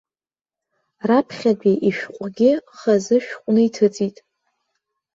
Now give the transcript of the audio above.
Раԥхьатәи ишәҟәгьы хазы шәҟәны иҭыҵит.